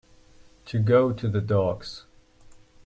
To go to the dogs